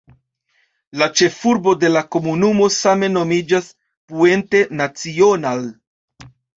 La ĉefurbo de la komunumo same nomiĝas "Puente Nacional".